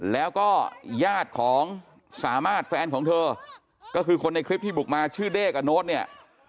แล้วก็ญาติของสามารถแฟนของเธอก็คือคนในคลิปที่บุกมาชื่อเด้กับโน้ตเนี่ย